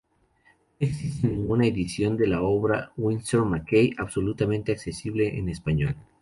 No existe ninguna edición de la obra de Winsor McCay actualmente accesible en español.